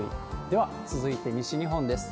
では続いて、西日本です。